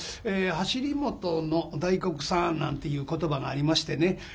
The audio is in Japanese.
「走り元の大黒さん」なんていう言葉がありましてね。